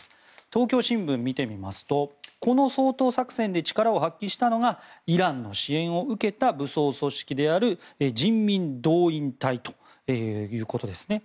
東京新聞、見てみますとこの掃討作戦で力を発揮したのがイランの支援を受けた武装組織である人民動員隊ということですね。